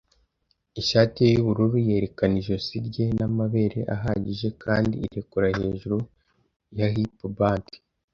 Ishati ye y'ubururu yerekana ijosi rye n'amabere ahagije kandi irekura hejuru ya hip-band,